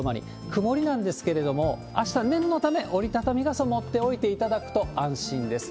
曇りなんですけれども、あした、念のため折り畳み傘持っておいていただくと安心です。